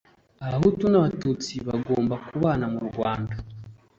Abahutu n’abatutsi bagomba kubana mu Rwanda